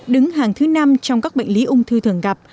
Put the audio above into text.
đứng hàng thứ năm trong các bệnh lý ung thư thường gặp